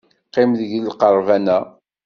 Qqim deg lqerban-a.